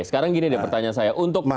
sekarang gini pertanyaan saya